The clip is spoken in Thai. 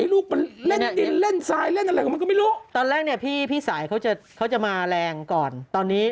ระบวนเก่งเลยตอนนี้